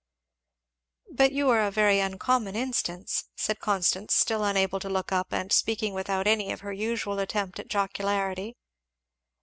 "But you are a very uncommon instance," said Constance, still unable to look up, and speaking without any of her usual attempt at jocularity.